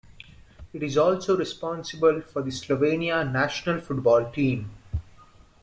It is also responsible for the Slovenia national football team.